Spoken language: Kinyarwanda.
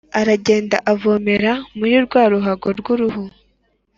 aragenda avomera muri rwa ruhago rw uruhu